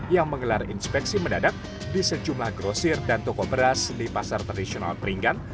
yang menggelar inspeksi mendadak di sejumlah grosir dan toko beras di pasar tradisional peringgan